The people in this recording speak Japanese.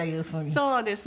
そうですね。